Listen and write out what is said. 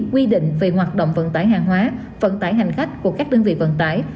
quy định về hoạt động vận tải hàng hóa vận tải hành khách của các đơn vị vận tải